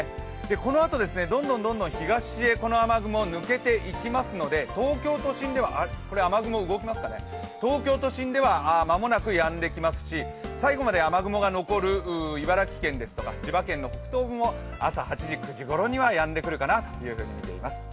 このあと、どんどん東へこの雨雲、抜けていきますので東京都心では間もなくやんできますし、最後まで雨雲が残る茨城県ですとか千葉県北東部でも朝８時、９時ごろにはやんでくるかなと見ています。